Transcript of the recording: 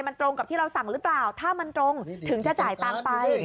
มันตรงกับที่เราสั่งหรือเปล่าถ้ามันตรงถึงจะจ่ายตังค์ไป